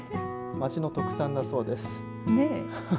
町の特産だそうです。